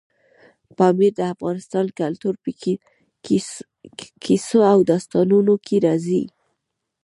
پامیر د افغان کلتور په کیسو او داستانونو کې راځي.